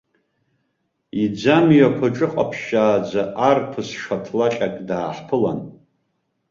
Иӡамҩақәа ҿыҟаԥшьааӡа, арԥыс шаҭлаҟьак дааҳԥылан.